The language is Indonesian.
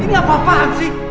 ini apaan sih